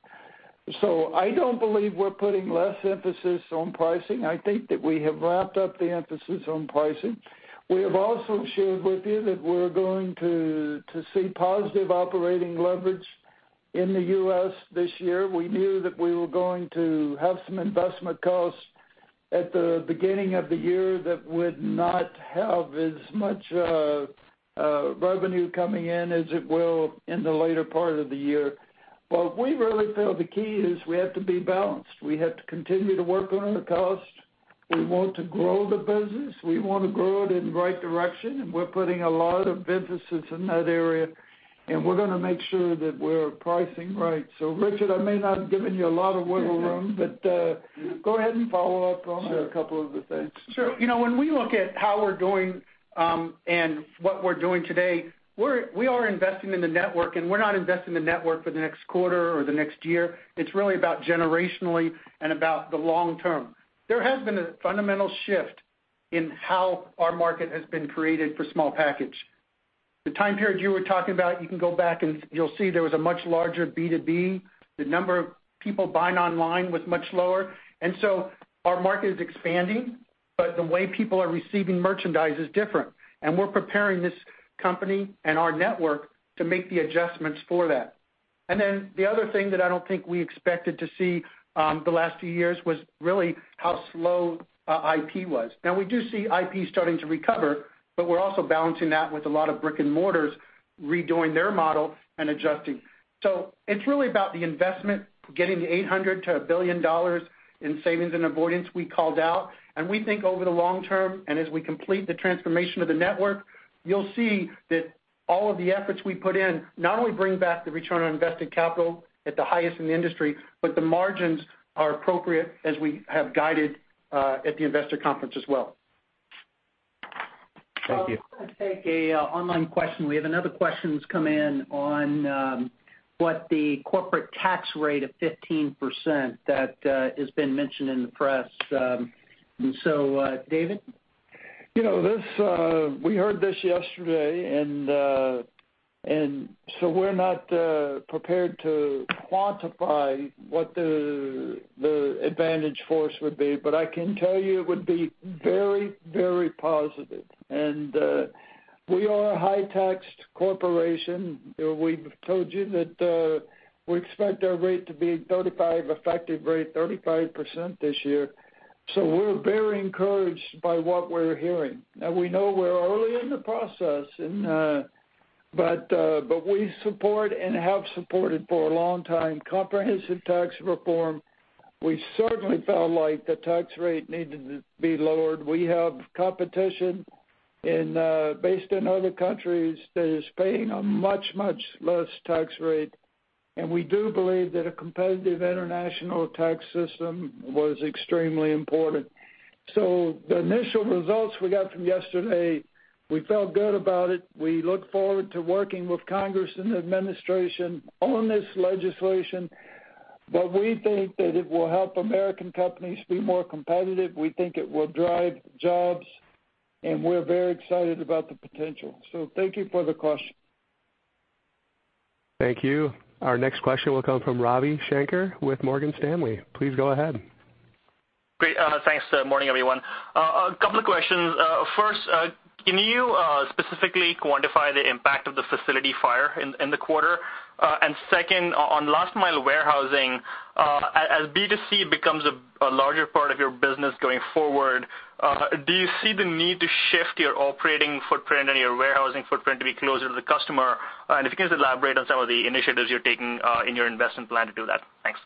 I don't believe we're putting less emphasis on pricing. I think that we have ramped up the emphasis on pricing. We have also shared with you that we're going to see positive operating leverage in the U.S. this year. We knew that we were going to have some investment costs at the beginning of the year that would not have as much revenue coming in as it will in the later part of the year. We really feel the key is we have to be balanced. We have to continue to work on our costs. We want to grow the business. We want to grow it in the right direction, and we're putting a lot of emphasis in that area, and we're going to make sure that we're pricing right. Richard, I may not have given you a lot of wiggle room, but go ahead and follow up on- Sure a couple of the things. Sure. When we look at how we're doing and what we're doing today, we are investing in the network. We're not investing the network for the next quarter or the next year. It's really about generationally and about the long term. There has been a fundamental shift in how our market has been created for small package. The time period you were talking about, you can go back and you'll see there was a much larger B2B. The number of people buying online was much lower. Our market is expanding, but the way people are receiving merchandise is different. We're preparing this company and our network to make the adjustments for that. The other thing that I don't think we expected to see the last few years was really how slow IP was. Now we do see IP starting to recover, but we're also balancing that with a lot of brick and mortars redoing their model and adjusting. It's really about the investment, getting the $800 to $1 billion in savings and avoidance we called out. We think over the long term, and as we complete the transformation of the network, you'll see that all of the efforts we put in not only bring back the return on invested capital at the highest in the industry, but the margins are appropriate as we have guided at the investor conference as well. Thank you. I'm going to take an online question. We have another question that's come in on what the corporate tax rate of 15% that has been mentioned in the press. David? We heard this yesterday and so we're not prepared to quantify what the advantage force would be, but I can tell you it would be very, very positive. We are a high taxed corporation. We've told you that we expect our rate to be 35, effective rate 35% this year. We're very encouraged by what we're hearing. Now we know we're early in the process, but we support and have supported for a long time comprehensive tax reform. We certainly felt like the tax rate needed to be lowered. We have competition based in other countries that is paying a much, much less tax rate, and we do believe that a competitive international tax system was extremely important. The initial results we got from yesterday, we felt good about it. We look forward to working with Congress and the administration on this legislation, but we think that it will help American companies be more competitive. We think it will drive jobs, and we're very excited about the potential. Thank you for the question. Thank you. Our next question will come from Ravi Shanker with Morgan Stanley. Please go ahead. Great. Thanks. Morning, everyone. A couple of questions. First, can you specifically quantify the impact of the facility fire in the quarter? Second, on last mile warehousing, as B2C becomes a larger part of your business going forward, do you see the need to shift your operating footprint and your warehousing footprint to be closer to the customer? If you can just elaborate on some of the initiatives you're taking in your investment plan to do that. Thanks.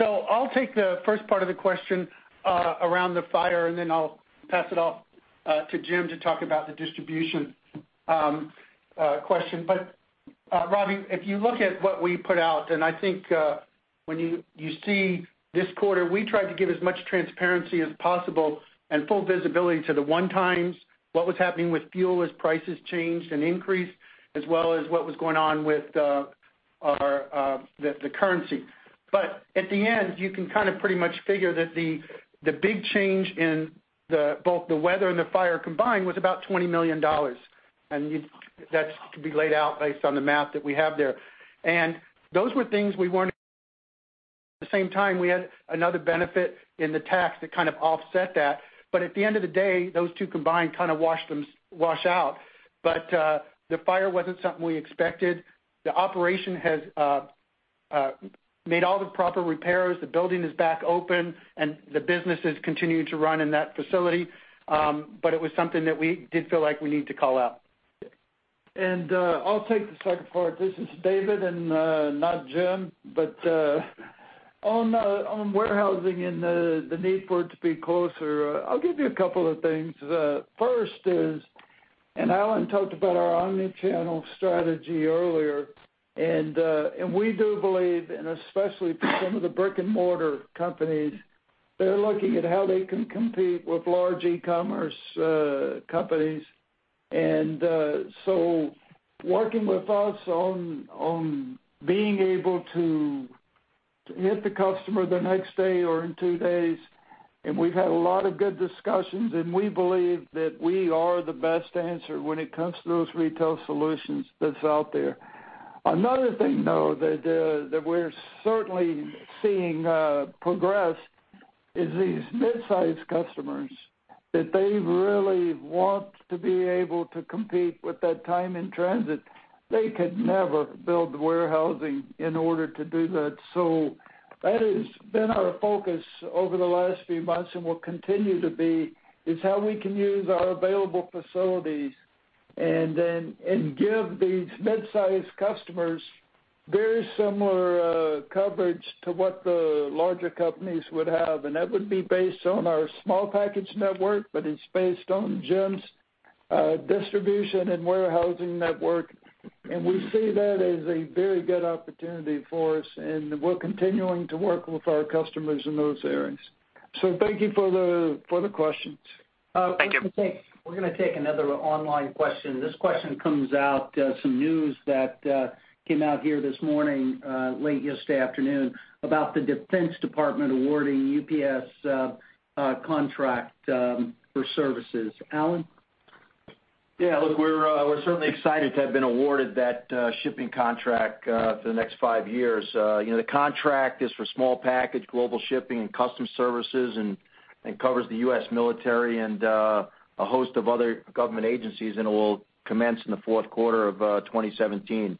I'll take the first part of the question around the fire, then I'll pass it off to Jim to talk about the distribution question. Ravi, if you look at what we put out, I think when you see this quarter, we tried to give as much transparency as possible and full visibility to the one times, what was happening with fuel as prices changed and increased, as well as what was going on with the currency. At the end, you can pretty much figure that the big change in both the weather and the fire combined was about $20 million. That's to be laid out based on the math that we have there. Those were things we weren't. At the same time, we had another benefit in the tax that kind of offset that. At the end of the day, those two combined kind of wash out. The fire wasn't something we expected. The operation has made all the proper repairs. The building is back open, and the business is continuing to run in that facility. It was something that we did feel like we need to call out. I'll take the second part. This is David and not Jim. On warehousing and the need for it to be closer, I'll give you a couple of things. First is, Alan talked about our omni-channel strategy earlier, we do believe, especially for some of the brick-and-mortar companies, they're looking at how they can compete with large e-commerce companies. Working with us on being able to hit the customer the next day or in two days, we've had a lot of good discussions, we believe that we are the best answer when it comes to those retail solutions that's out there. Another thing, though, that we're certainly seeing progress is these midsize customers, that they really want to be able to compete with that time in transit. They could never build the warehousing in order to do that. That has been our focus over the last few months and will continue to be, is how we can use our available facilities and give these midsize customers very similar coverage to what the larger companies would have, that would be based on our small package network, but it's based on Jim's distribution and warehousing network. We see that as a very good opportunity for us, we're continuing to work with our customers in those areas. Thank you for the questions. Thank you. We're going to take another online question. This question comes out, some news that came out here this morning, late yesterday afternoon, about the Defense Department awarding UPS contract for services. Alan? Yeah, look, we're certainly excited to have been awarded that shipping contract for the next 5 years. The contract is for small package global shipping and custom services and covers the U.S. military and a host of other government agencies and will commence in the fourth quarter of 2017.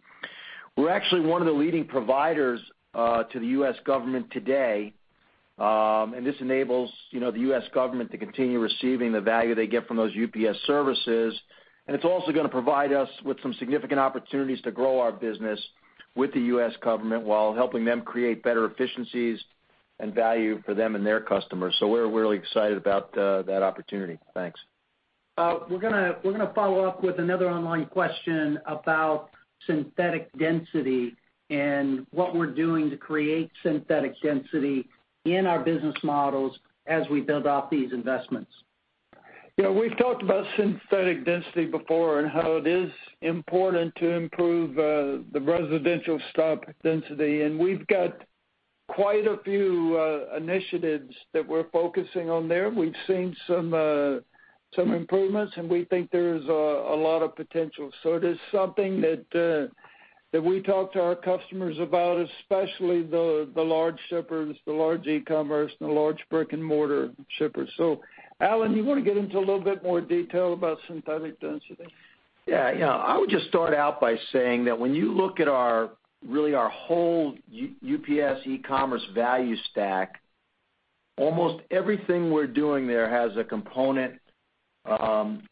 We're actually one of the leading providers to the U.S. government today. This enables the U.S. government to continue receiving the value they get from those UPS services. It's also going to provide us with some significant opportunities to grow our business with the U.S. government while helping them create better efficiencies and value for them and their customers. We're really excited about that opportunity. Thanks. We're going to follow up with another online question about synthetic density and what we're doing to create synthetic density in our business models as we build out these investments. We've talked about synthetic density before and how it is important to improve the residential stop density. We've got quite a few initiatives that we're focusing on there. We've seen some improvements, we think there's a lot of potential. It is something that we talk to our customers about, especially the large shippers, the large e-commerce, and the large brick and mortar shippers. Alan, you want to get into a little bit more detail about synthetic density? Yeah. I would just start out by saying that when you look at really our whole UPS e-commerce value stack, almost everything we're doing there has a component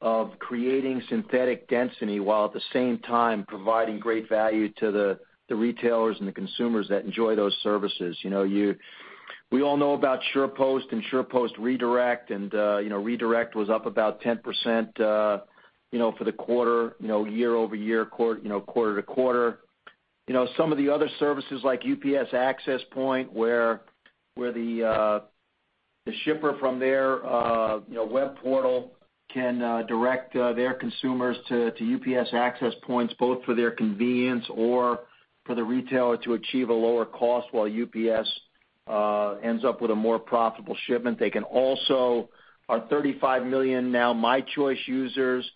of creating synthetic density while at the same time providing great value to the retailers and the consumers that enjoy those services. We all know about SurePost and SurePost Redirect. Redirect was up about 10% for the quarter, year-over-year, quarter-over-quarter. Some of the other services like UPS Access Point, where the shipper from their web portal can direct their consumers to UPS Access Points, both for their convenience or for the retailer to achieve a lower cost while UPS ends up with a more profitable shipment. They can also, our 35 million now My Choice users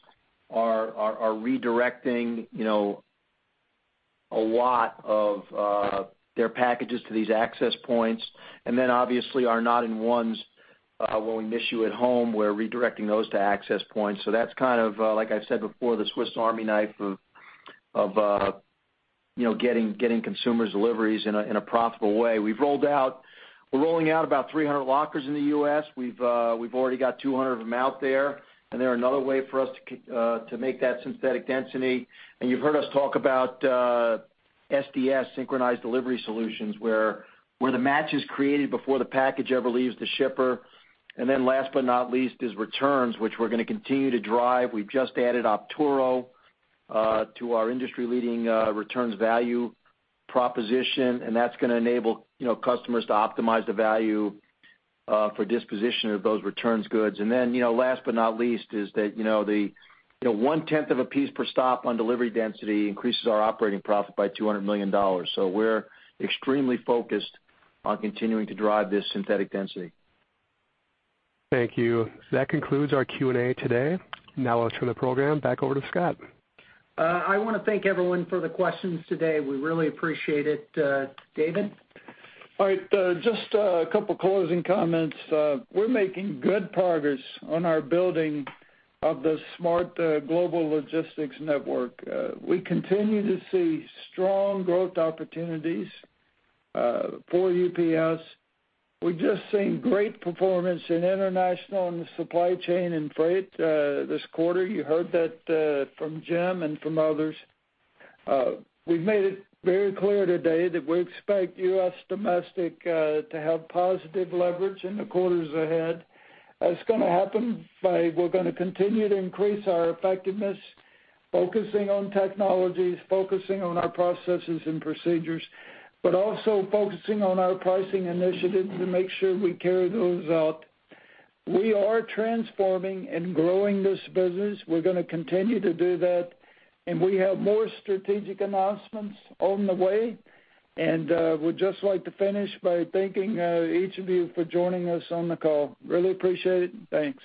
are redirecting a lot of their packages to these access points. Obviously our Not in Ones, we'll miss you at home, we're redirecting those to access points. That's kind of, like I said before, the Swiss Army knife of getting consumers deliveries in a profitable way. We're rolling out about 300 lockers in the U.S. We've already got 200 of them out there, and they're another way for us to make that synthetic density. You've heard us talk about SDS, Synchronized Delivery Solutions, where the match is created before the package ever leaves the shipper. Last but not least is returns, which we're going to continue to drive. We've just added Optoro to our industry-leading returns value proposition, and that's going to enable customers to optimize the value for disposition of those returns goods. Last but not least, is that the one-tenth of a piece per stop on delivery density increases our operating profit by $200 million. We're extremely focused on continuing to drive this synthetic density. Thank you. That concludes our Q&A today. Let's turn the program back over to Scott. I want to thank everyone for the questions today. We really appreciate it. David? All right. Just a couple closing comments. We're making good progress on our building of the smart global logistics network. We continue to see strong growth opportunities for UPS. We've just seen great performance in international and the supply chain and freight this quarter. You heard that from Jim and from others. We've made it very clear today that we expect U.S. domestic to have positive leverage in the quarters ahead. It's going to happen we're going to continue to increase our effectiveness, focusing on technologies, focusing on our processes and procedures, but also focusing on our pricing initiatives to make sure we carry those out. We are transforming and growing this business. We're going to continue to do that, and we have more strategic announcements on the way. We'd just like to finish by thanking each of you for joining us on the call. Really appreciate it. Thanks.